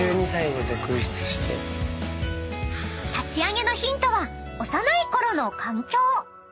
［立ち上げのヒントは幼い頃の環境］